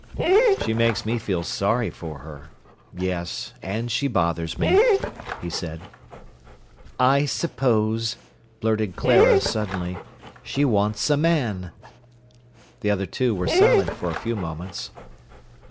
"She makes me feel sorry for her—yes, and she bothers me," he said. "I suppose," blurted Clara suddenly, "she wants a man." The other two were silent for a few moments.